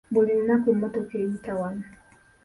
Buli lunaku emmotoka eyita wano.